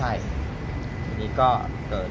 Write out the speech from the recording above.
พี่พอแล้วพี่พอแล้ว